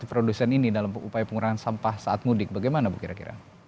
lagi komitmen dan peran aktif produsen ini dalam upaya pengurangan sampah saat mudik bagaimana bu kira kira